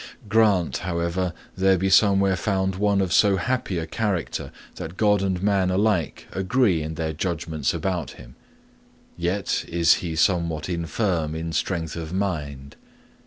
'Grant, however, there be somewhere found one of so happy a character that God and man alike agree in their judgments about him; yet is he somewhat infirm in strength of mind.